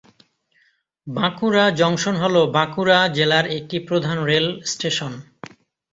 Bankura junction হল বাঁকুড়া জেলার একটি প্রধান রেল স্টেশন।